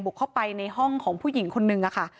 เข้าไปในห้องของผู้หญิงคนนึงค่ะ